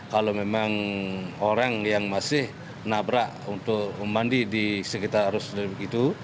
kalau memang orang yang masih nabrak untuk memandi di sekitar arus itu